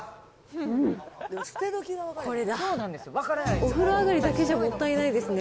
お風呂上がりだけじゃもったいないですね。